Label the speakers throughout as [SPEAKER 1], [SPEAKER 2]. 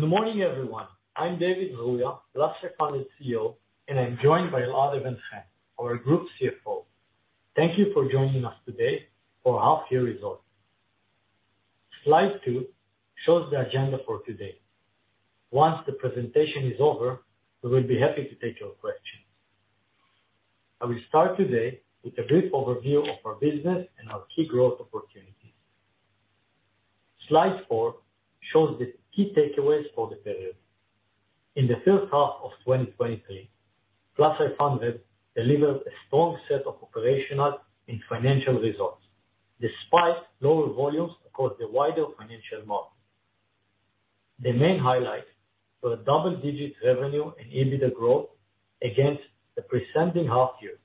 [SPEAKER 1] Good morning, everyone. I'm David Zruia, Plus500 CEO, and I'm joined by Elad Even-Chen, our Group CFO. Thank you for joining us today for our half year results. Slide two shows the agenda for today. Once the presentation is over, we will be happy to take your questions. I will start today with a brief overview of our business and our key growth opportunities. Slide four shows the key takeaways for the period. In the first half of 2023, Plus500 delivered a strong set of operational and financial results, despite lower volumes across the wider financial market. The main highlights were double digits revenue and EBITDA growth against the presenting half year.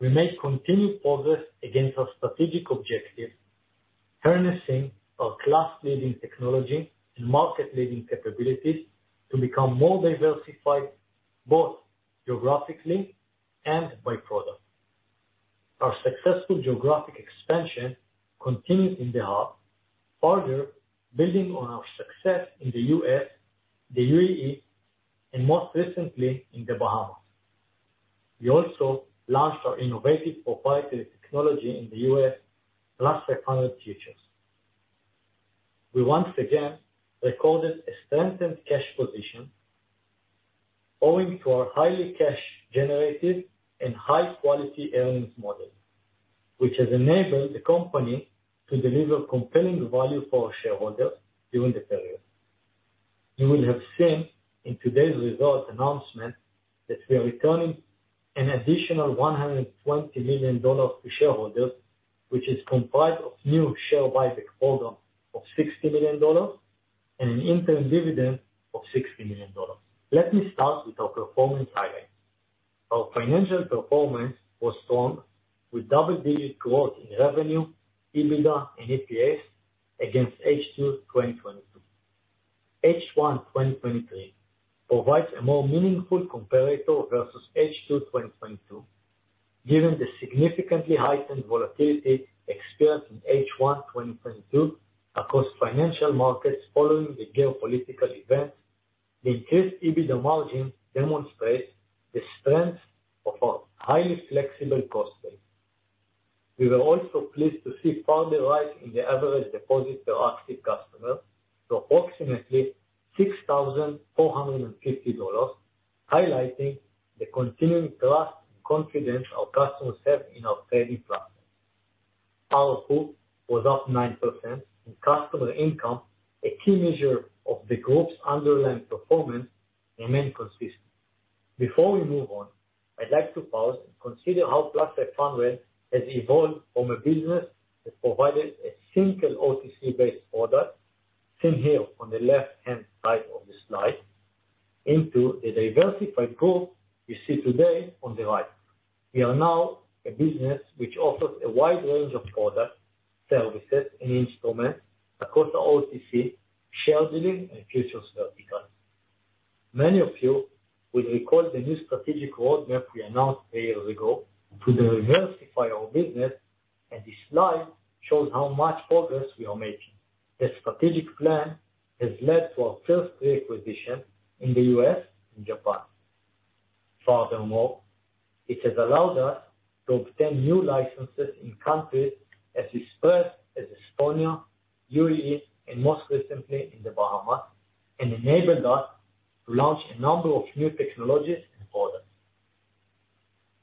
[SPEAKER 1] We made continued progress against our strategic objectives, harnessing our class-leading technology and market-leading capabilities to become more diversified, both geographically and by product. Our successful geographic expansion continued in the half, further building on our success in the U.S., the UAE, and most recently, in the Bahamas. We also launched our innovative proprietary technology in the U.S., Plus500 Futures. We once again recorded a strengthened cash position, owing to our highly cash generative and high-quality earnings model, which has enabled the company to deliver compelling value for our shareholders during the period. You will have seen in today's results announcement that we are returning an additional $120 million to shareholders, which is comprised of new share buyback program of $60 million and an interim dividend of $60 million. Let me start with our performance highlights. Our financial performance was strong, with double-digit growth in revenue, EBITDA, and EPS against H2 2022. H1 2023 provides a more meaningful comparator versus H2 2022, given the significantly heightened volatility experienced in H1 2022 across financial markets following the geopolitical events. The increased EBITDA margin demonstrates the strength of our highly flexible cost base. We were also pleased to see further rise in the average deposit per active customer to approximately $6,450, highlighting the continuing trust and confidence our customers have in our trading platform. Customer income, a key measure of the group's underlying performance, remained consistent. Before we move on, I'd like to pause and consider how Plus500 has evolved from a business that provided a single OTC-based product, seen here on the left-hand side of the slide, into a diversified group you see today on the right. We are now a business which offers a wide range of products, services, and instruments across the OTC, share dealing, and futures verticals. Many of you will recall the new strategic roadmap we announced three years ago to diversify our business. This slide shows how much progress we are making. The strategic plan has led to our first three acquisitions in the US and Japan. Furthermore, it has allowed us to obtain new licenses in countries as dispersed as Estonia, UAE, and most recently, in the Bahamas, and enabled us to launch a number of new technologies and products.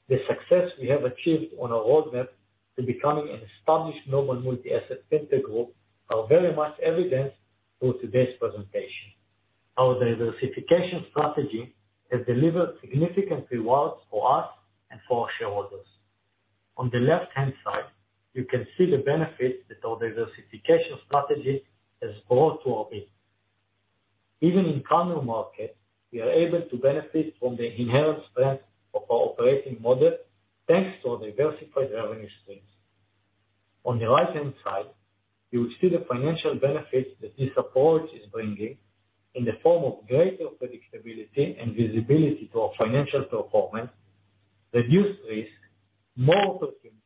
[SPEAKER 1] The success we have achieved on our roadmap to becoming an established global multi-asset fintech group are very much evidenced through today's presentation. Our diversification strategy has delivered significant rewards for us and for our shareholders. On the left-hand side, you can see the benefits that our diversification strategy has brought to our business. Even in counter markets, we are able to benefit from the inherent strength of our operating model, thanks to our diversified revenue streams. On the right-hand side, you will see the financial benefits that this approach is bringing in the form of greater predictability and visibility to our financial performance, reduced risk, more opportunities, and the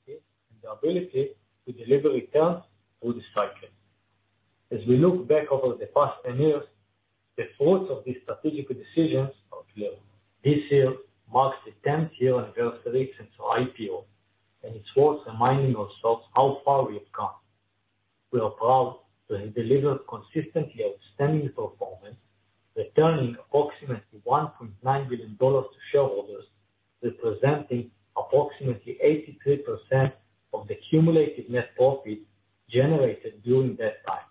[SPEAKER 1] ability to deliver returns through the cycle. As we look back over the past 10 years, the fruits of these strategic decisions are clear. This year marks the 10th year anniversary since our IPO, and it's worth reminding ourselves how far we've come. We are proud to have delivered consistently outstanding performance, returning approximately $1.9 billion to shareholders, representing approximately 83% of the cumulative net profit generated during that time.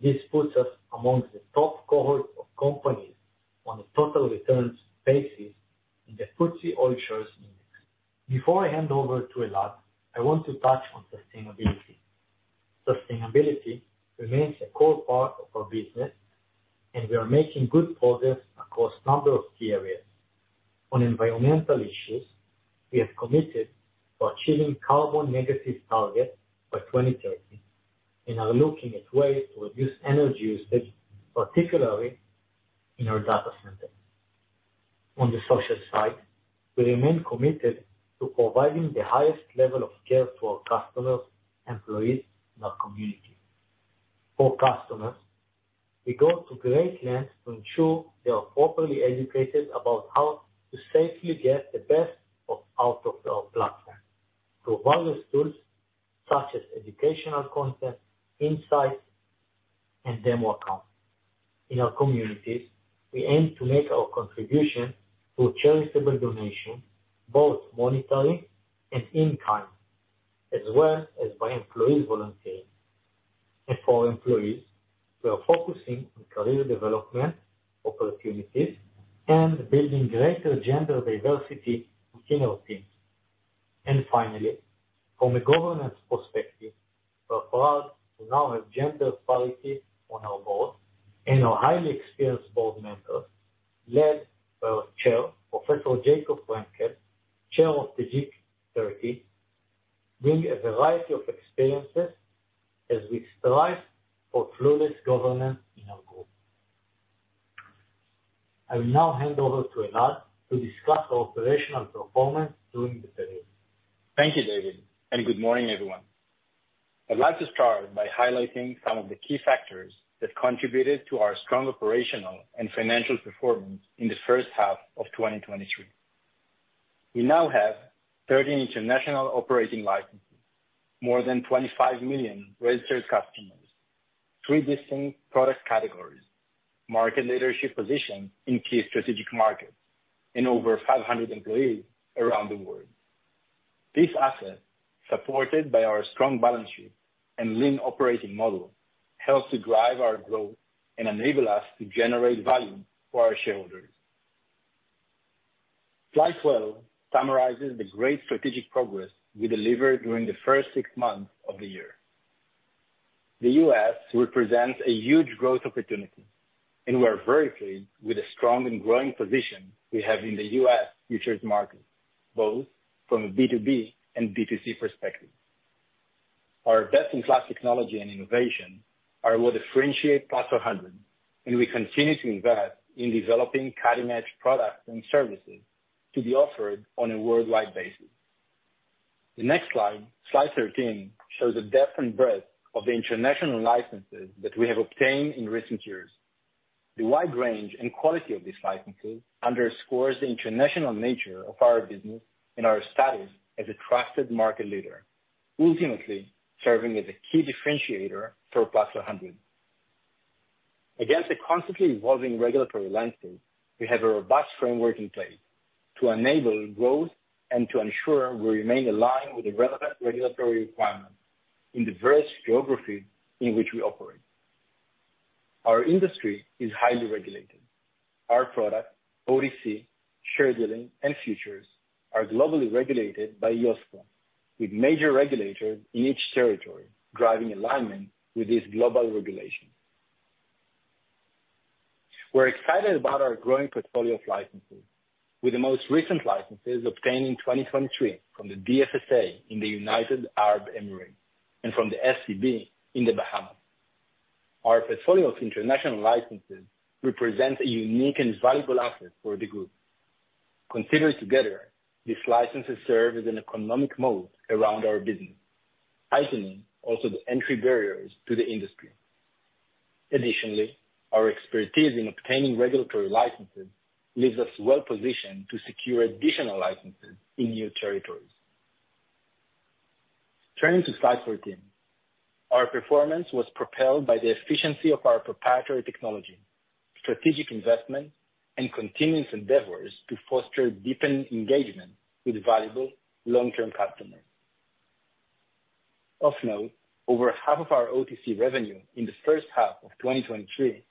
[SPEAKER 1] This puts us amongst the top cohort of companies on a total returns basis in the FTSE All-Share Index. Before I hand over to Elad, I want to touch on sustainability. Sustainability remains a core part of our business. We are making good progress across a number of key areas. On environmental issues, we have committed to achieving carbon negative target by 2030, and are looking at ways to reduce energy usage, particularly in our data centers.... On the social side, we remain committed to providing the highest level of care to our customers, employees, and our community. For customers, we go to great lengths to ensure they are properly educated about how to safely get the best of, out of their platform, through various tools such as educational content, insights, and demo accounts. In our communities, we aim to make our contribution through charitable donations, both monetary and in-kind, as well as by employees volunteering. For employees, we are focusing on career development opportunities and building greater gender diversity within our teams. Finally, from a governance perspective, we are proud to now have gender parity on our board and our highly experienced board members, led by our chair, Professor Jacob Frenkel, Chair of the G30, bring a variety of experiences as we strive for flawless governance in our group. I will now hand over to Elad to discuss our operational performance during the period.
[SPEAKER 2] Thank you, David, and good morning, everyone. I'd like to start by highlighting some of the key factors that contributed to our strong operational and financial performance in the first half of 2023. We now have 13 international operating licenses, more than 25 million registered customers, three distinct product categories, market leadership position in key strategic markets, and over 500 employees around the world. This asset, supported by our strong balance sheet and lean operating model, helps to drive our growth and enable us to generate value for our shareholders. Slide 12 summarizes the great strategic progress we delivered during the first six months of the year. The US represents a huge growth opportunity, and we're very pleased with the strong and growing position we have in the US futures market, both from a B2B and B2C perspective. Our best-in-class technology and innovation are what differentiate Plus500, we continue to invest in developing cutting-edge products and services to be offered on a worldwide basis. The next slide, slide 13, shows the depth and breadth of the international licenses that we have obtained in recent years. The wide range and quality of these licenses underscores the international nature of our business and our status as a trusted market leader, ultimately serving as a key differentiator for Plus500. Against a constantly evolving regulatory landscape, we have a robust framework in place to enable growth and to ensure we remain aligned with the relevant regulatory requirements in the various geographies in which we operate. Our industry is highly regulated. Our product, OTC, share dealing, and futures, are globally regulated by IOSCO, with major regulators in each territory driving alignment with this global regulation. We're excited about our growing portfolio of licenses, with the most recent licenses obtained in 2023 from the DFSA in the United Arab Emirates and from the SCB in the Bahamas. Our portfolio of international licenses represents a unique and valuable asset for the group. Considered together, these licenses serve as an economic moat around our business, heightening also the entry barriers to the industry. Additionally, our expertise in obtaining regulatory licenses leaves us well positioned to secure additional licenses in new territories. Turning to slide 14. Our performance was propelled by the efficiency of our proprietary technology, strategic investment, and continuous endeavors to foster deepened engagement with valuable long-term customers. Of note, over half of our OTC revenue in the first half of 2023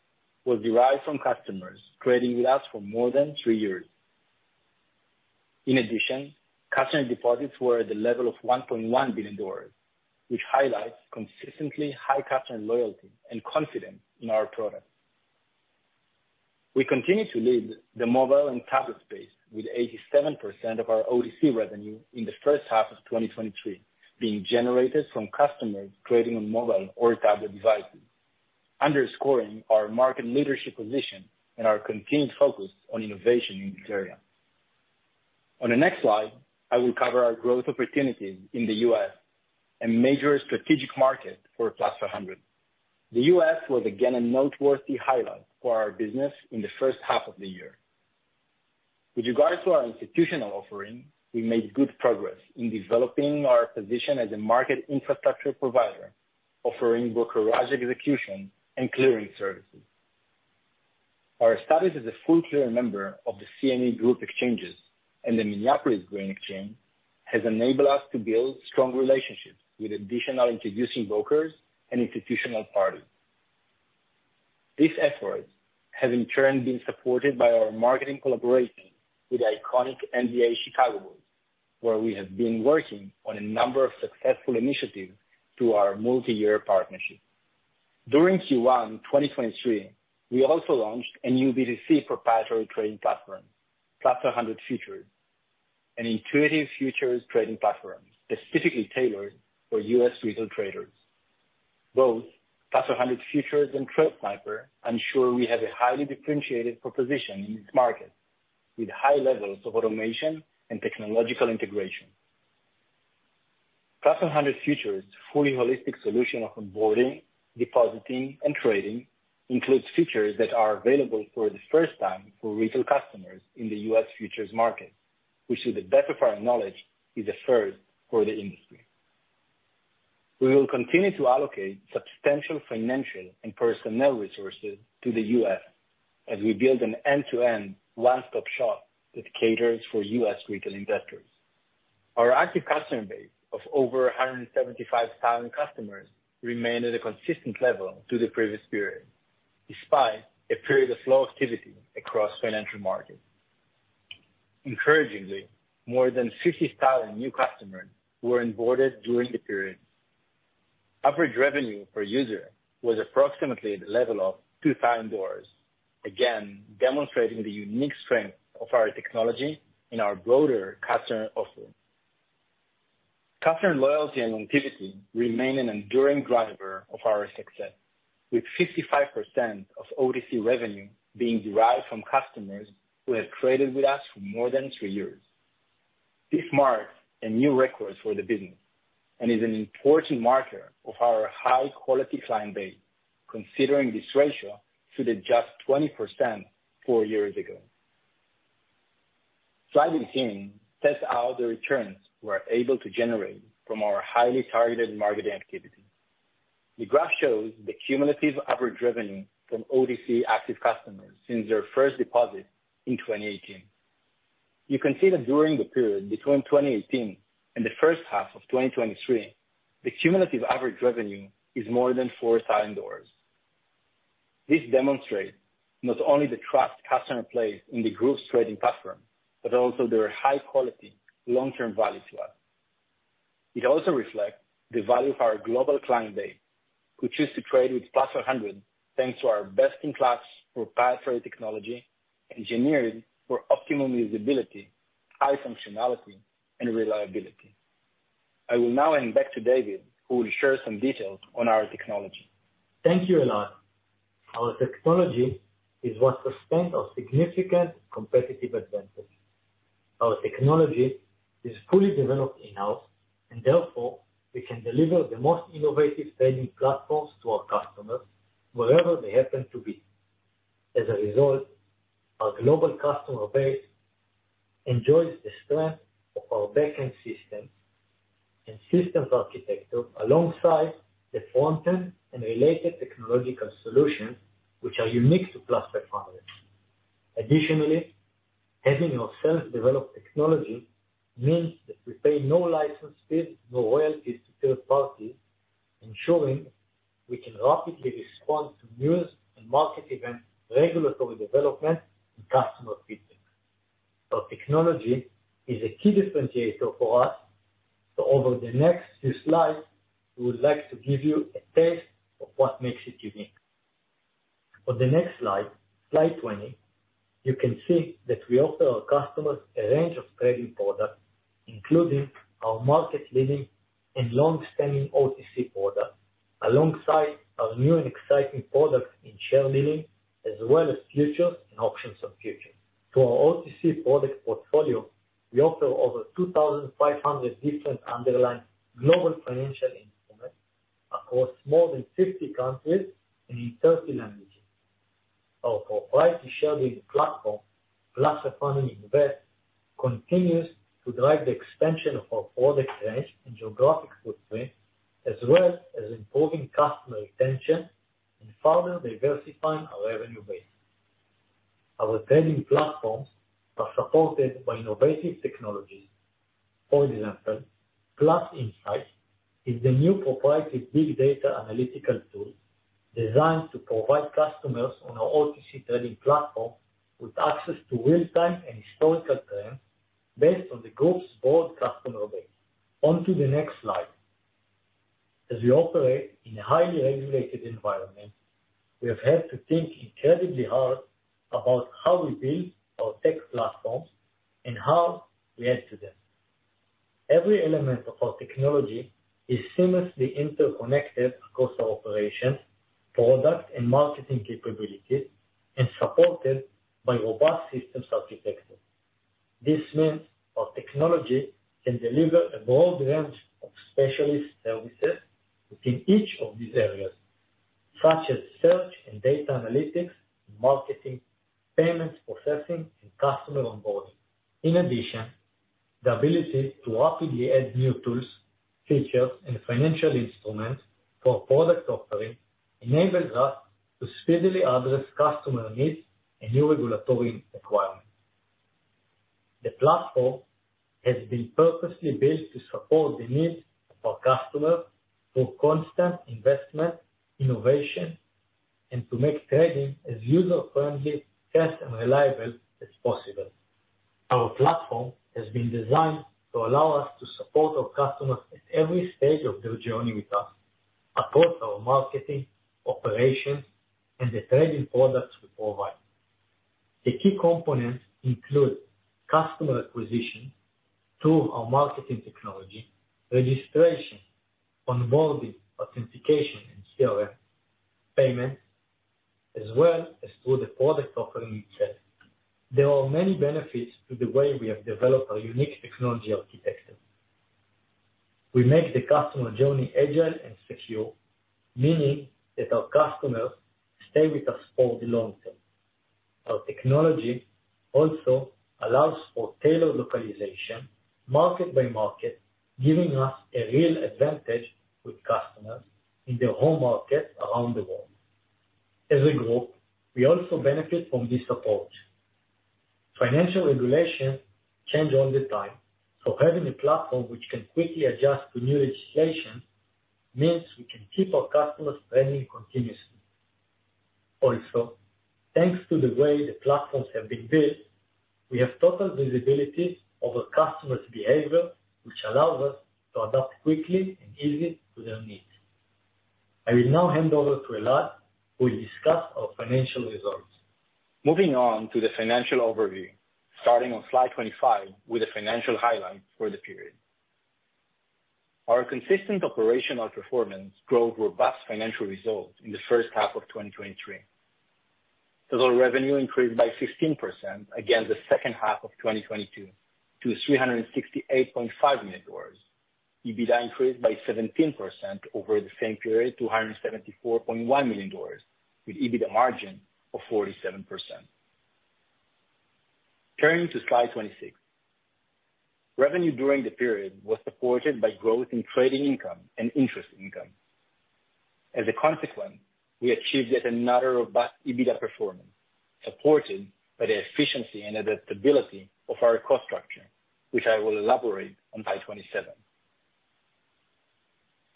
[SPEAKER 2] was derived from customers trading with us for more than three years. Customer deposits were at the level of $1.1 billion, which highlights consistently high customer loyalty and confidence in our products. We continue to lead the mobile and tablet space with 87% of our OTC revenue in the first half of 2023 being generated from customers trading on mobile or tablet devices, underscoring our market leadership position and our continued focus on innovation in this area. On the next slide, I will cover our growth opportunities in the U.S., a major strategic market for Plus500. The U.S. was again a noteworthy highlight for our business in the first half of the year. With regards to our institutional offering, we made good progress in developing our position as a market infrastructure provider, offering brokerage execution and clearing services. Our status as a full clearing member of the CME Group exchanges and the Minneapolis Grain Exchange has enabled us to build strong relationships with additional introducing brokers and institutional parties. This effort has in turn been supported by our marketing collaboration with the iconic NBA Chicago Bulls, where we have been working on a number of successful initiatives through our multi-year partnership. During Q1, 2023, we also launched a new B2C proprietary trading platform, Plus500 Futures, an intuitive futures trading platform specifically tailored for US retail traders. Both Plus500 Futures and TradeSniper ensure we have a highly differentiated proposition in this market, with high levels of automation and technological integration. Plus500 Futures' fully holistic solution of onboarding, depositing, and trading includes features that are available for the first time for retail customers in the US futures market, which to the best of our knowledge, is a first for the industry. We will continue to allocate substantial financial and personnel resources to the US as we build an end-to-end one-stop shop that caters for U.S. retail investors. Our active customer base of over 175,000 customers remained at a consistent level to the previous period, despite a period of low activity across financial markets. Encouragingly, more than 60,000 new customers were onboarded during the period. Average revenue per user was approximately the level of $2,000, again, demonstrating the unique strength of our technology and our broader customer offering. Customer loyalty and longevity remain an enduring driver of our success, with 55% of OTC revenue being derived from customers who have traded with us for more than three years. This marks a new record for the business and is an important marker of our high-quality client base, considering this ratio stood at just 20% four years ago. Slide 18 sets out the returns we're able to generate from our highly targeted marketing activity. The graph shows the cumulative average revenue from OTC active customers since their first deposit in 2018. You can see that during the period between 2018 and the first half of 2023, the cumulative average revenue is more than $4,000. This demonstrates not only the trust customer place in the group's trading platform, but also their high quality, long-term value to us. It also reflects the value of our global client base, who choose to trade with Plus500, thanks to our best-in-class proprietary technology, engineered for optimum usability, high functionality, and reliability. I will now hand back to David, who will share some details on our technology.
[SPEAKER 1] Thank you, Elad. Our technology is what sustains our significant competitive advantage. Our technology is fully developed in-house, and therefore, we can deliver the most innovative trading platforms to our customers wherever they happen to be. As a result, our global customer base enjoys the strength of our back-end system and systems architecture, alongside the front-end and related technological solutions which are unique to Plus500. Additionally, having our self-developed technology means that we pay no license fees, no royalties to third parties, ensuring we can rapidly respond to news and market events, regulatory developments, and customer feedback. Our technology is a key differentiator for us, so over the next few slides, we would like to give you a taste of what makes it unique. On the next slide, slide 20, you can see that we offer our customers a range of trading products, including our market-leading and long-standing OTC product, alongside our new and exciting products in share dealing, as well as futures and options on futures. To our OTC product portfolio, we offer over 2,500 different underlying global financial instruments across more than 50 countries and in 30 languages. Our proprietary share dealing platform, Plus500 Invest, continues to drive the expansion of our product range and geographic footprint, as well as improving customer retention and further diversifying our revenue base. Our trading platforms are supported by innovative technologies. For example, PlusInsights is the new proprietary big data analytical tool designed to provide customers on our OTC trading platform with access to real-time and historical trends based on the group's broad customer base. On to the next slide. As we operate in a highly regulated environment, we have had to think incredibly hard about how we build our tech platforms and how we add to them. Every element of our technology is seamlessly interconnected across our operations, product, and marketing capabilities, and supported by robust systems architecture. This means our technology can deliver a broad range of specialist services within each of these areas, such as search and data analytics, marketing, payments, processing, and customer onboarding. In addition, the ability to rapidly add new tools, features, and financial instruments for product offering, enables us to speedily address customer needs and new regulatory requirements. The platform has been purposely built to support the needs of our customers through constant investment, innovation, and to make trading as user-friendly, fast, and reliable as possible. Our platform has been designed to allow us to support our customers at every stage of their journey with us across our marketing, operations, and the trading products we provide. The key components include customer acquisition through our marketing technology, registration, onboarding, authentication, and CRM, payments, as well as through the product offering itself. There are many benefits to the way we have developed our unique technology architecture. We make the customer journey agile and secure, meaning that our customers stay with us for the long term. Our technology also allows for tailored localization, market by market, giving us a real advantage with customers in their home market around the world. As a group, we also benefit from this support. Financial regulations change all the time, so having a platform which can quickly adjust to new legislation means we can keep our customers running continuously. Thanks to the way the platforms have been built, we have total visibility over customers' behavior, which allows us to adapt quickly and easily to their needs. I will now hand over to Elad, who will discuss our financial results.
[SPEAKER 2] Moving on to the financial overview, starting on slide 25 with the financial highlights for the period. Our consistent operational performance drove robust financial results in the first half of 2023. Total revenue increased by 15% against the second half of 2022 to $368.5 million. EBITDA increased by 17% over the same period to $174.1 million, with EBITDA margin of 47%. Turning to slide 26. Revenue during the period was supported by growth in trading income and interest income. As a consequence, we achieved yet another robust EBITDA performance, supported by the efficiency and adaptability of our cost structure, which I will elaborate on slide 27.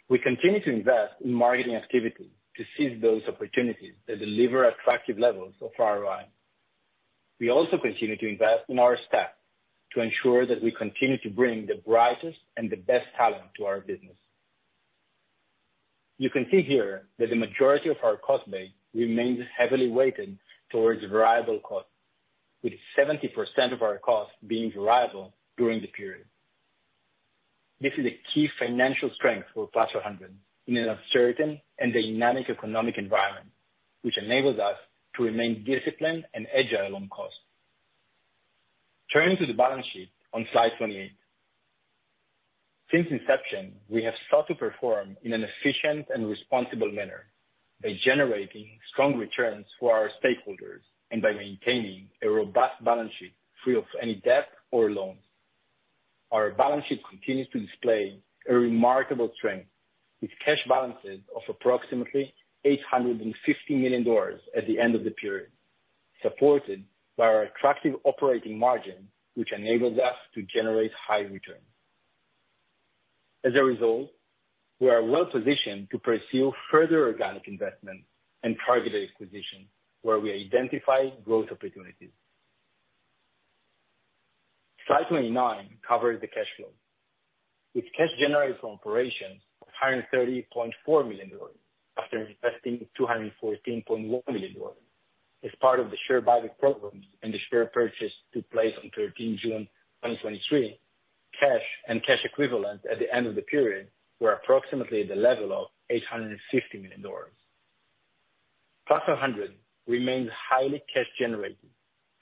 [SPEAKER 2] We continue to invest in marketing activity to seize those opportunities that deliver attractive levels of ROI. We also continue to invest in our staff to ensure that we continue to bring the brightest and the best talent to our business. You can see here that the majority of our cost base remains heavily weighted towards variable costs, with 70% of our costs being variable during the period. This is a key financial strength for Plus500, in an uncertain and dynamic economic environment, which enables us to remain disciplined and agile on cost. Turning to the balance sheet on slide 28. Since inception, we have sought to perform in an efficient and responsible manner by generating strong returns for our stakeholders and by maintaining a robust balance sheet free of any debt or loans. Our balance sheet continues to display a remarkable strength, with cash balances of approximately $850 million at the end of the period, supported by our attractive operating margin, which enables us to generate high returns. As a result, we are well positioned to pursue further organic investment and targeted acquisitions where we identify growth opportunities. Slide 29 covers the cash flow. With cash generated from operations of $130.4 million after investing $214.1 million. As part of the share buyback program and the share purchase took place on June 13, 2023, cash and cash equivalents at the end of the period were approximately at the level of $850 million. Plus500 remains highly cash generative,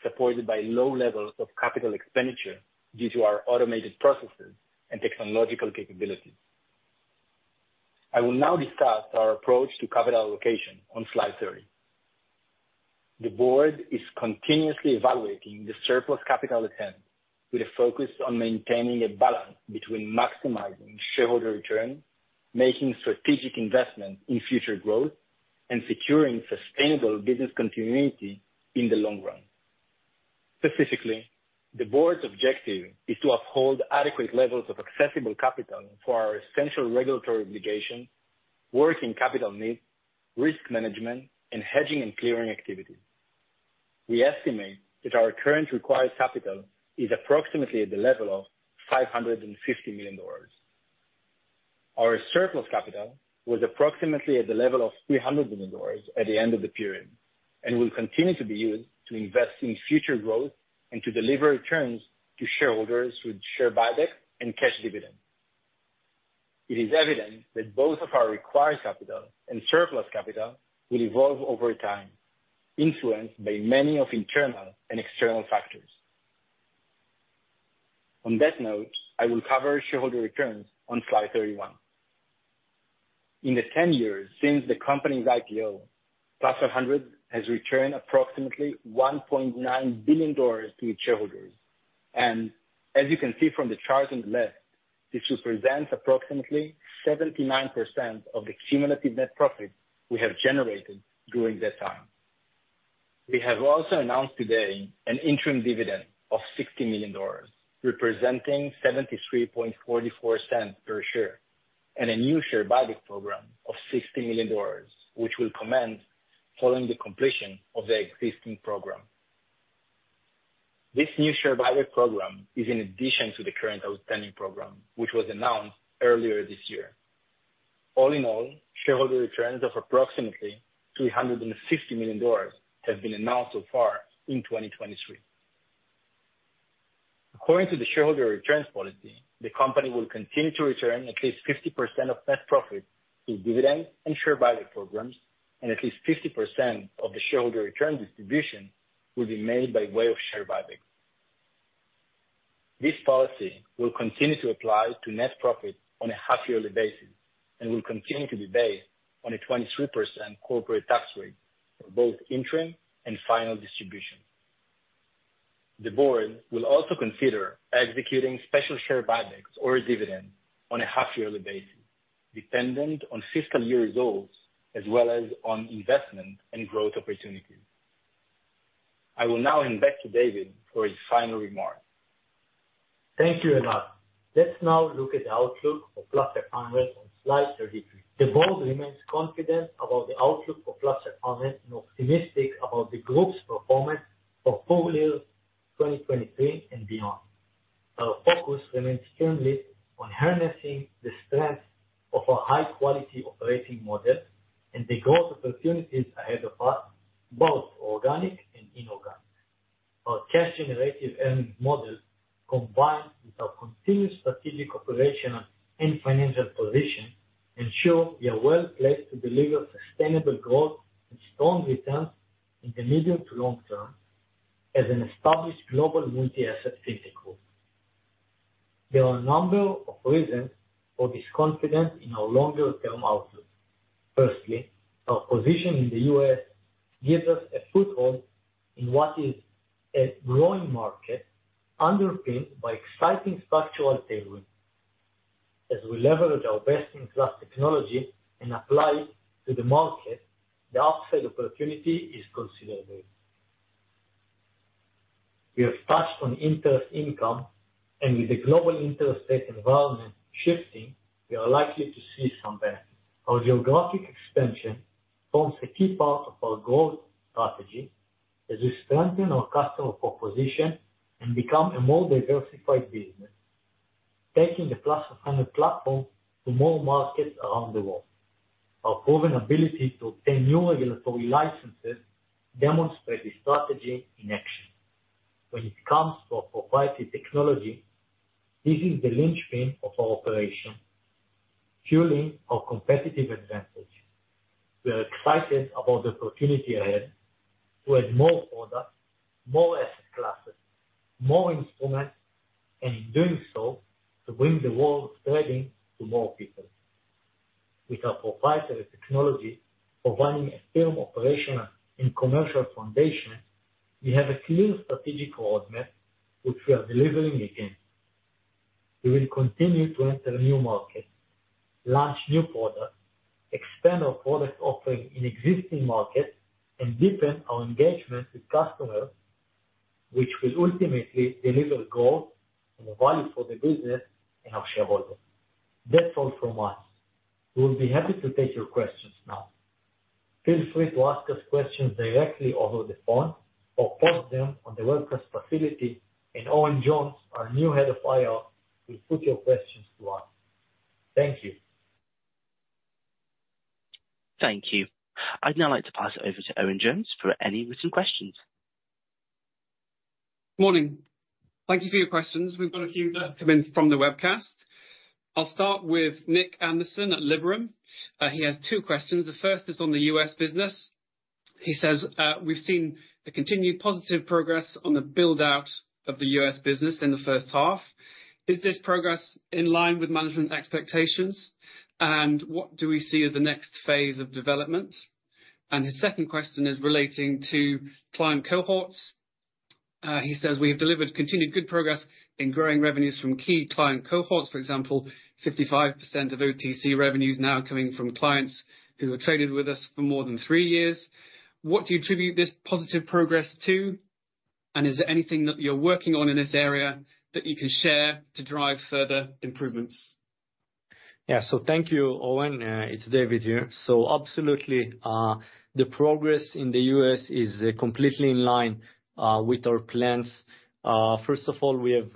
[SPEAKER 2] supported by low levels of capital expenditure due to our automated processes and technological capabilities. I will now discuss our approach to capital allocation on slide 30. The board is continuously evaluating the surplus capital attempt with a focus on maintaining a balance between maximizing shareholder return, making strategic investments in future growth, and securing sustainable business continuity in the long run. Specifically, the board's objective is to uphold adequate levels of accessible capital for our essential regulatory obligations, working capital needs, risk management, and hedging and clearing activities. We estimate that our current required capital is approximately at the level of $550 million. Our surplus capital was approximately at the level of $300 million at the end of the period, and will continue to be used to invest in future growth and to deliver returns to shareholders with share buyback and cash dividends. It is evident that both of our required capital and surplus capital will evolve over time, influenced by many of internal and external factors. On that note, I will cover shareholder returns on slide 31. In the 10 years since the company's IPO, Plus500 has returned approximately $1.9 billion to its shareholders, and as you can see from the chart on the left, this represents approximately 79% of the cumulative net profit we have generated during that time. We have also announced today an interim dividend of $60 million, representing $0.7344 per share, and a new share buyback program of $60 million, which will commence following the completion of the existing program. This new share buyback program is in addition to the current outstanding program, which was announced earlier this year. All in all, shareholder returns of approximately $360 million have been announced so far in 2023. According to the shareholder returns policy, the company will continue to return at least 50% of net profit to dividend and share buyback programs, and at least 50% of the shareholder return distribution will be made by way of share buyback. This policy will continue to apply to net profit on a half-yearly basis and will continue to be based on a 23% corporate tax rate for both interim and final distribution. The board will also consider executing special share buybacks or dividend on a half-yearly basis, dependent on fiscal year results, as well as on investment and growth opportunities. I will now hand back to David for his final remarks.
[SPEAKER 1] Thank you, Elad. Let's now look at the outlook for Plus500 on slide 33. The board remains confident about the outlook for Plus500 and optimistic about the group's performance for full year 2023 and beyond. Our focus remains firmly on harnessing the strength of our high quality operating model and the growth opportunities ahead of us, both organic and inorganic. Our cash generative earnings model, combined with our continued strategic operational and financial position, ensure we are well-placed to deliver sustainable growth and strong returns in the medium to long term as an established global multi-asset trading group. There are a number of reasons for this confidence in our longer-term outlook. Firstly, our position in the US gives us a foothold in what is a growing market, underpinned by exciting structural tailwind. As we leverage our best-in-class technology and apply to the market, the upside opportunity is considerable. We have touched on interest income, and with the global interest rate environment shifting, we are likely to see some benefit. Our geographic expansion forms a key part of our growth strategy as we strengthen our customer proposition and become a more diversified business, taking the Plus500 platform to more markets around the world. Our proven ability to obtain new regulatory licenses demonstrate this strategy in action. When it comes to our proprietary technology, this is the linchpin of our operation, fueling our competitive advantage. We are excited about the opportunity ahead to add more products, more asset classes, more instruments, and in doing so, to bring the world of trading to more people. With our proprietary technology providing a firm operational and commercial foundation, we have a clear strategic roadmap, which we are delivering against. We will continue to enter new markets, launch new products, expand our product offering in existing markets, and deepen our engagement with customers, which will ultimately deliver growth and value for the business and our shareholders. That's all from us. We'll be happy to take your questions now. Feel free to ask us questions directly over the phone or post them on the webcast facility, and Owen Jones, our new head of IR, will put your questions to us. Thank you.
[SPEAKER 3] Thank you. I'd now like to pass it over to Eoin Jones for any written questions.
[SPEAKER 4] Morning. Thank you for your questions. We've got a few that have come in from the webcast. I'll start with Nick Anderson at Liberum. He has two questions. The first is on the U.S. business. He says, "We've seen the continued positive progress on the build-out of the U.S. business in the first half. Is this progress in line with management expectations, and what do we see as the next phase of development?" His second question is relating to client cohorts. He says, "We have delivered continued good progress in growing revenues from key client cohorts, for example, 55% of OTC revenues now coming from clients who have traded with us for more than three years. What do you attribute this positive progress to? Is there anything that you're working on in this area that you can share to drive further improvements?
[SPEAKER 1] Yeah. Thank you, Owen. It's David here. Absolutely, the progress in the US is completely in line with our plans. First of all, we have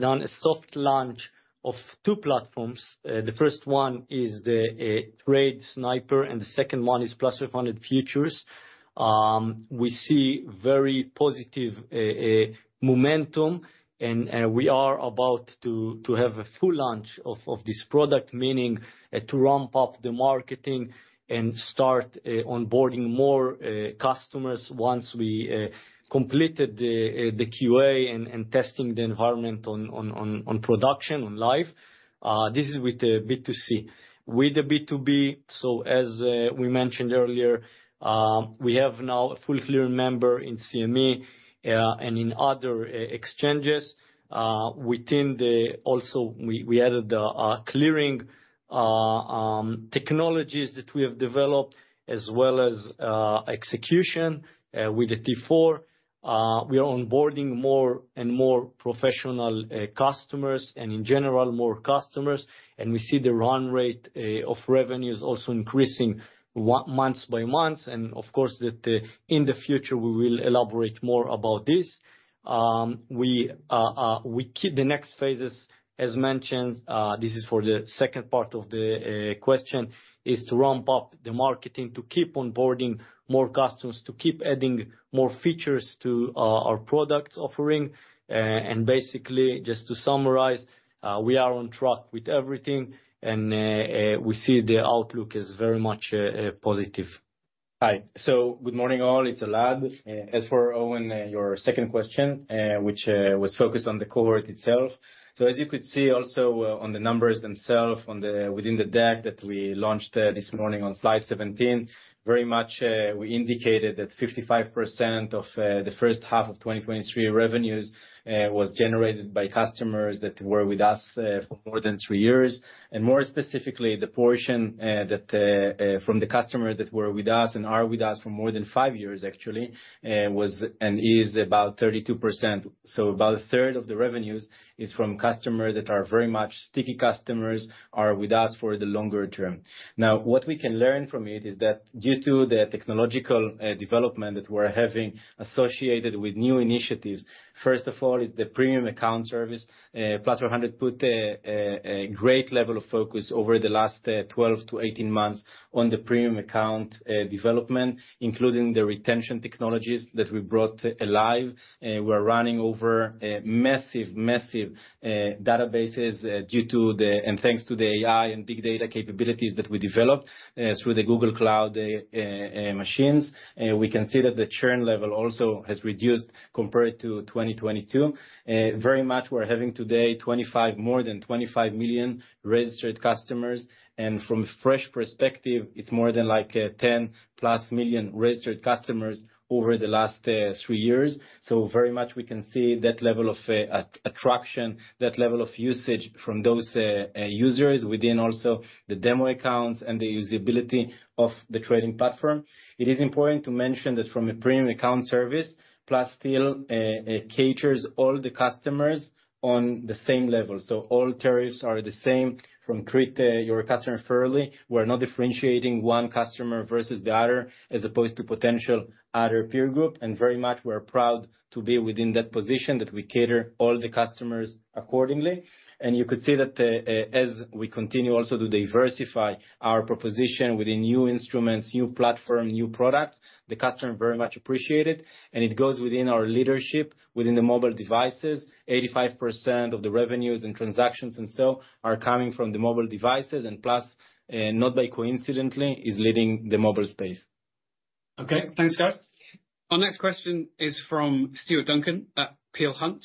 [SPEAKER 1] done a soft launch of two platforms. The first one is the TradeSniper, and the second one is Plus500 Futures. We see very positive momentum, and we are about to have a full launch of this product, meaning to ramp up the marketing and start onboarding more customers once we completed the QA and testing the environment on production, on live. This is with the B2C. With the B2B, as we mentioned earlier, we have now a full clearing member in CME, and in other e-exchanges. Within the... Also we, we added the clearing technologies that we have developed, as well as execution with the T4. We are onboarding more and more professional customers, and in general, more customers. We see the run rate of revenues also increasing month by month. Of course, that in the future, we will elaborate more about this. We, we keep the next phases, as mentioned, this is for the second part of the question, is to ramp up the marketing, to keep onboarding more customers, to keep adding more features to our products offering. Basically, just to summarize, we are on track with everything, and we see the outlook as very much positive.
[SPEAKER 2] Hi. Good morning, all. It's Elad. As for Owen, your second question, which was focused on the cohort itself. As you could see also on the numbers themselves, within the deck that we launched this morning on slide 17, very much, we indicated that 55% of the first half of 2023 revenues was generated by customers that were with us for more than three years. More specifically, the portion that from the customers that were with us and are with us for more than five years, actually, was and is about 32%. About a third of the revenues is from customers that are very much sticky customers, are with us for the longer term. What we can learn from it is that due to the technological development that we're having associated with new initiatives, first of all, is the premium account service. Plus500 put a great level of focus over the last 12-18 months on the premium account development, including the retention technologies that we brought alive. We're running over massive, massive databases, and thanks to the AI and big data capabilities that we developed through the Google Cloud machines. We can see that the churn level also has reduced compared to 2022. Very much we're having today, 25, more than 25 million registered customers, and from fresh perspective, it's more than, like, 10+ million registered customers over the last three years. Very much we can see that level of attraction, that level of usage from those users within also the demo accounts and the usability of the trading platform. It is important to mention that from a premium account service, Plus500 still caters all the customers on the same level. All tariffs are the same from treat your customer fairly. We're not differentiating one customer versus the other, as opposed to potential other peer group, and very much we're proud to be within that position, that we cater all the customers accordingly. You could see that as we continue also to diversify our proposition within new instruments, new platform, new products, the customer very much appreciate it, and it goes within our leadership, within the mobile devices. 85% of the revenues and transactions and so are coming from the mobile devices, and Plus, not by coincidentally, is leading the mobile space.
[SPEAKER 4] Okay, thanks, guys. Our next question is from Stuart Duncan at Peel Hunt.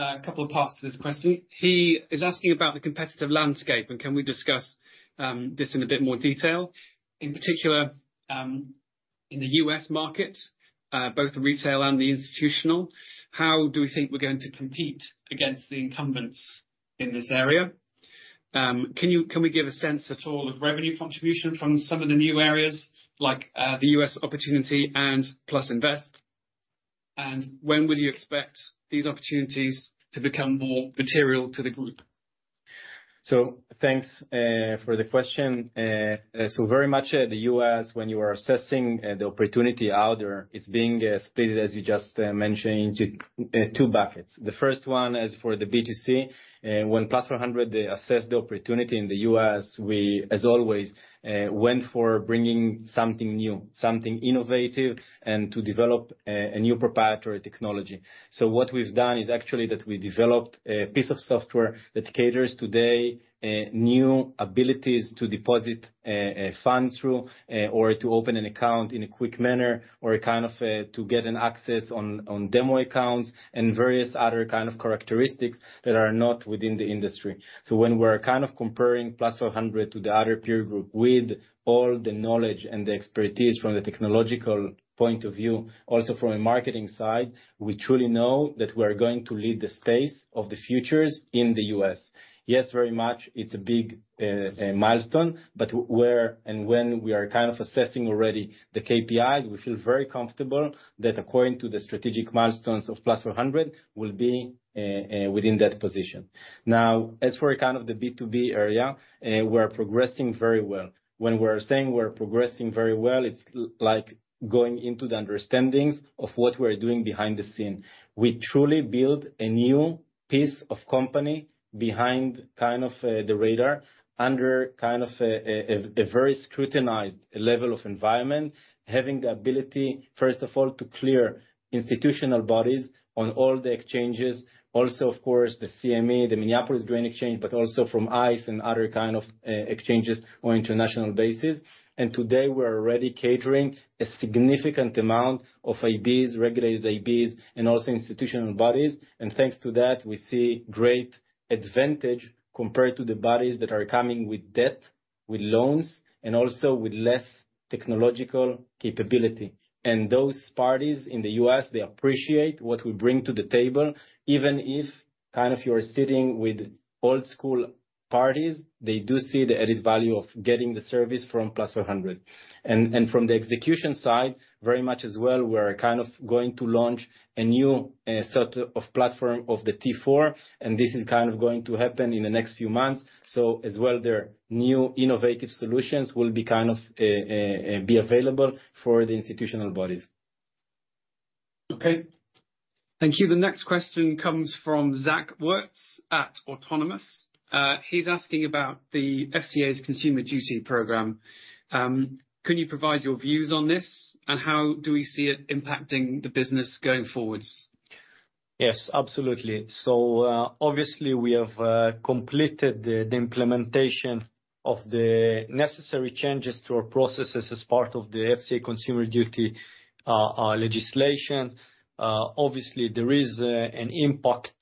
[SPEAKER 4] A couple of parts to this question. He is asking about the competitive landscape, and can we discuss this in a bit more detail? In particular, in the US market, both the retail and the institutional, how do we think we're going to compete against the incumbents in this area? Can we give a sense at all of revenue contribution from some of the new areas, like the US opportunity and Plus Invest? When would you expect these opportunities to become more material to the group?
[SPEAKER 2] Thanks for the question. Very much the US, when you are assessing the opportunity out there, it's being split, as you just mentioned, into two buckets. The first one is for the B2C. When Plus500, they assess the opportunity in the US, we, as always, went for bringing something new, something innovative, and to develop a new proprietary technology. What we've done is actually that we developed a piece of software that caters today new abilities to deposit funds through, or to open an account in a quick manner, or kind of to get an access on demo accounts and various other kind of characteristics that are not within the industry. When we're kind of comparing Plus500 to the other peer group, with all the knowledge and the expertise from the technological point of view, also from a marketing side, we truly know that we're going to lead the space of the futures in the U.S. Yes, very much it's a big milestone, but where and when we are kind of assessing already the KPIs, we feel very comfortable that according to the strategic milestones of Plus 400, we'll be within that position. Now, as for kind of the B2B area, we're progressing very well. When we're saying we're progressing very well, it's like going into the understandings of what we're doing behind the scene. We truly build a new piece of company behind kind of, the radar, under kind of a very scrutinized level of environment, having the ability, first of all, to clear institutional bodies on all the exchanges. Also, of course, the CME, the Minneapolis Grain Exchange, but also from ICE and other kind of, exchanges on international basis. Today, we're already catering a significant amount of IBs, regulated IBs, and also institutional bodies, and thanks to that, we see great advantage compared to the bodies that are coming with debt, with loans, and also with less technological capability. Those parties in the US, they appreciate what we bring to the table. Even if, kind of, you are sitting with old school parties, they do see the added value of getting the service from Plus500. From the execution side, very much as well, we're kind of going to launch a new set of platform of the T4, and this is kind of going to happen in the next few months. As well, their new innovative solutions will be kind of be available for the institutional bodies.
[SPEAKER 4] Okay. Thank you. The next question comes from Zach Wertz at Autonomous. He's asking about the FCA's Consumer Duty program. Can you provide your views on this, and how do we see it impacting the business going forwards?
[SPEAKER 2] Yes, absolutely. Obviously, we have completed the implementation of the necessary changes to our processes as part of the FCA Consumer Duty legislation. Obviously, there is an impact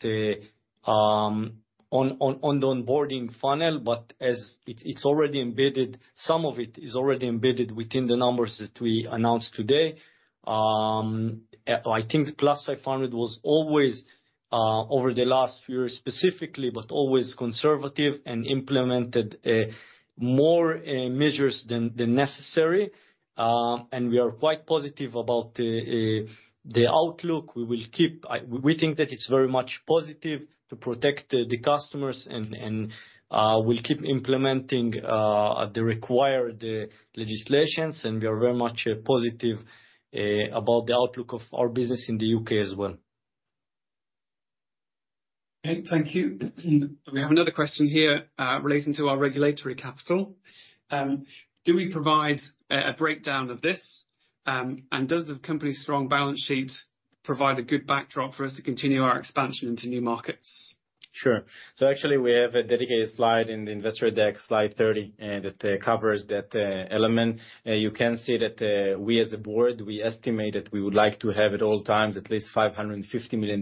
[SPEAKER 2] on, on, on the onboarding funnel, but as it- it's already embedded, some of it is already embedded within the numbers that we announced today. I think Plus500 was always, over the last few years specifically, but always conservative, and implemented more measures than necessary. We are quite positive about the outlook. We will keep, I- we, we think that it's very much positive to protect the customers, and, and, we'll keep implementing the required legislations, and we are very much positive about the outlook of our business in the UK as well.
[SPEAKER 4] Okay, thank you. We have another question here relating to our regulatory capital. Do we provide a breakdown of this? Does the company's strong balance sheet provide a good backdrop for us to continue our expansion into new markets?
[SPEAKER 2] Sure. Actually, we have a dedicated slide in the investor deck, slide 30, and it covers that element. You can see that we as a board, we estimate that we would like to have, at all times, at least $550 million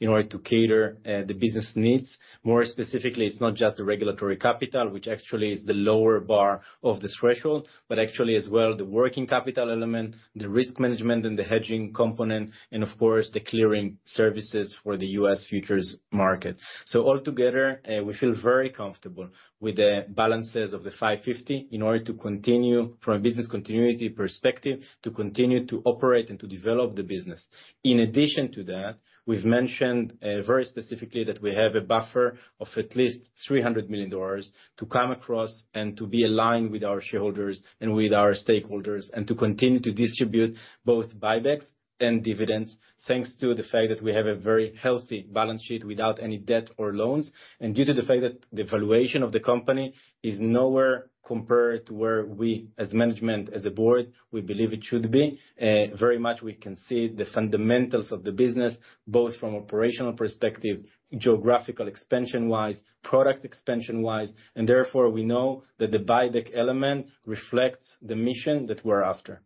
[SPEAKER 2] in order to cater the business needs. More specifically, it's not just the regulatory capital, which actually is the lower bar of this threshold, but actually, as well, the working capital element, the risk management and the hedging component, and of course, the clearing services for the U.S. futures market. Altogether, we feel very comfortable with the balances of the 550, in order to continue, from a business continuity perspective, to continue to operate and to develop the business. In addition to that, we've mentioned very specifically, that we have a buffer of at least $300 million to come across and to be aligned with our shareholders and with our stakeholders, and to continue to distribute both buybacks and dividends, thanks to the fact that we have a very healthy balance sheet, without any debt or loans. Due to the fact that the valuation of the company is nowhere compared to where we, as management, as a board, we believe it should be, very much we can see the fundamentals of the business, both from operational perspective, geographical expansion-wise, product expansion-wise, and therefore, we know that the buyback element reflects the mission that we're after.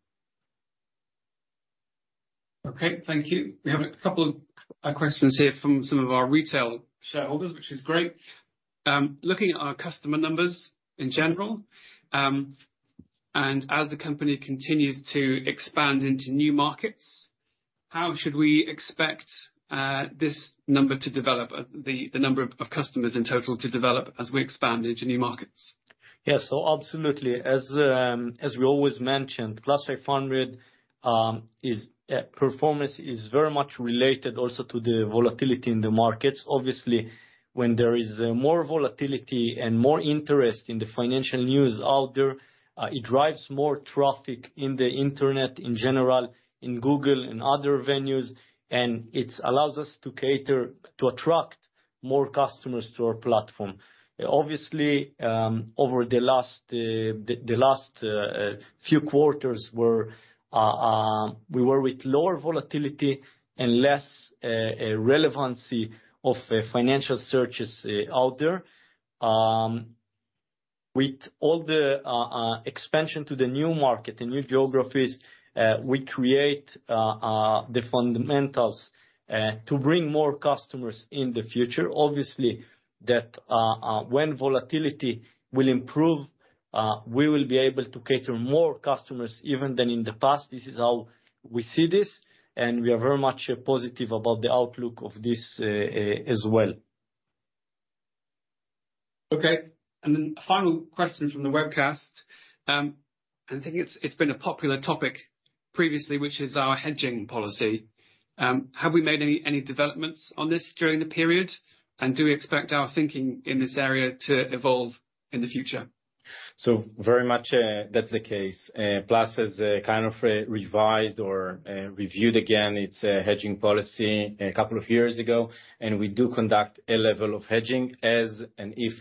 [SPEAKER 4] Okay, thank you. We have a couple of questions here from some of our retail shareholders, which is great. Looking at our customer numbers in general, and as the company continues to expand into new markets, how should we expect this number to develop, the, the number of, of customers in total to develop as we expand into new markets?
[SPEAKER 2] Yeah. Absolutely, as, as we always mentioned, Plus500, performance is very much related also to the volatility in the markets. Obviously, when there is more volatility and more interest in the financial news out there, it drives more traffic in the internet, in general, in Google and other venues, and it allows us to cater, to attract more customers to our platform. Obviously, over the last, the, the last, few quarters were, we were with lower volatility and less, relevancy of, financial searches, out there. With all the, expansion to the new market, the new geographies, we create, the fundamentals, to bring more customers in the future. Obviously, that, when volatility will improve, we will be able to cater more customers even than in the past. This is how we see this. We are very much positive about the outlook of this, as well.
[SPEAKER 4] Okay. Final question from the webcast, and I think it's, it's been a popular topic previously, which is our hedging policy. Have we made any, any developments on this during the period? Do we expect our thinking in this area to evolve in the future?
[SPEAKER 2] Very much, that's the case. Plus has kind of revised or reviewed again, its hedging policy a couple of years ago, and we do conduct a level of hedging as, and if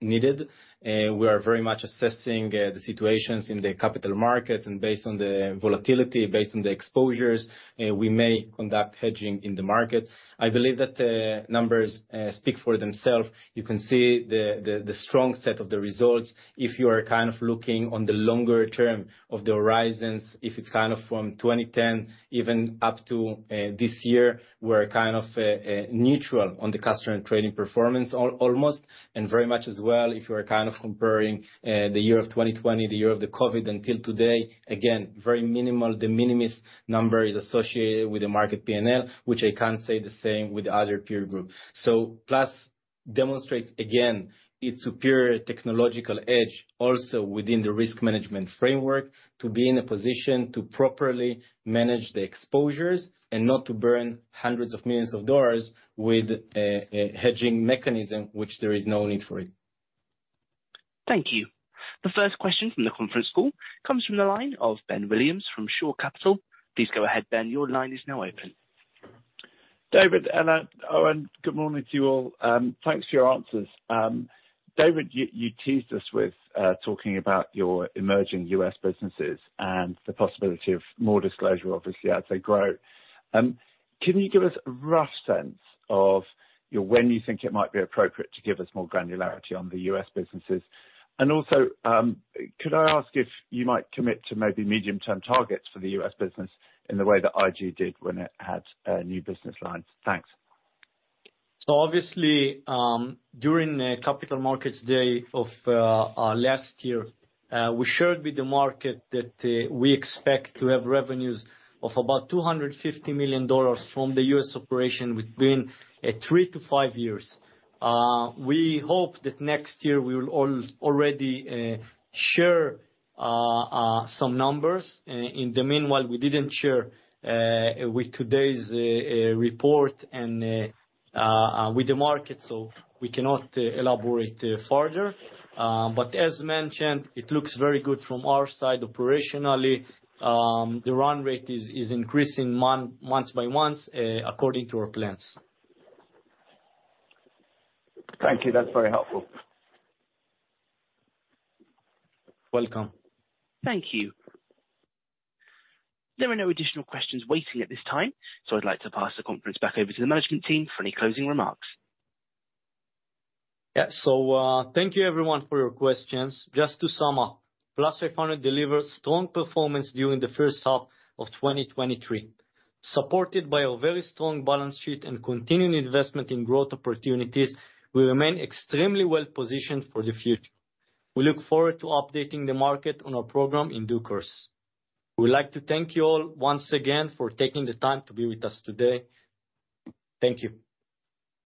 [SPEAKER 2] needed. We are very much assessing the situations in the capital market, and based on the volatility, based on the exposures, we may conduct hedging in the market. I believe that the numbers speak for themselves. You can see the, the, the strong set of the results. If you are looking on the longer term of the horizons, if it's from 2010, even up to this year, we're neutral on the customer and trading performance almost, and very much as well, if you are comparing the year of 2020, the year of the COVID, until today, again, very minimal, de minimis number is associated with the market PNL, which I can't say the same with the other peer group. Plus demonstrates, again, its superior technological edge, also within the risk management framework, to be in a position to properly manage the exposures and not to burn hundreds of millions of dollars with a hedging mechanism, which there is no need for it.
[SPEAKER 3] Thank you. The first question from the conference call, comes from the line of Ben Williams from Shore Capital. Please go ahead, Ben, your line is now open....
[SPEAKER 5] David and Owen, good morning to you all. Thanks for your answers. David, you, you teased us with talking about your emerging US businesses and the possibility of more disclosure, obviously, as they grow. Can you give us a rough sense of, you know, when you think it might be appropriate to give us more granularity on the US businesses? Also, could I ask if you might commit to maybe medium-term targets for the US business, in the way that IG did when it had new business lines? Thanks.
[SPEAKER 1] Obviously, during the Capital Markets Day of last year, we shared with the market that we expect to have revenues of about $250 million from the US operation within three to five years. We hope that next year we will already share some numbers. In the meanwhile, we didn't share with today's report and with the market, so we cannot elaborate further. As mentioned, it looks very good from our side operationally. The run rate is, is increasing months by months, according to our plans.
[SPEAKER 5] Thank you. That's very helpful.
[SPEAKER 1] Welcome.
[SPEAKER 3] Thank you. There are no additional questions waiting at this time, so I'd like to pass the conference back over to the management team for any closing remarks.
[SPEAKER 1] Yeah. Thank you everyone for your questions. Just to sum up, Plus500 delivered strong performance during the first half of 2023. Supported by a very strong balance sheet and continuing investment in growth opportunities, we remain extremely well positioned for the future. We look forward to updating the market on our program in due course. We would like to thank you all once again for taking the time to be with us today. Thank you.